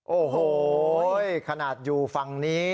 โอ้โหขนาดอยู่ฝั่งนี้